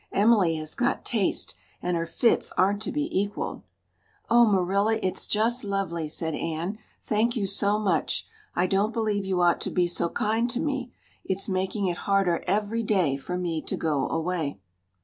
Emily has got taste, and her fits aren't to be equaled." "Oh, Marilla, it's just lovely," said Anne. "Thank you so much. I don't believe you ought to be so kind to me it's making it harder every day for me to go away."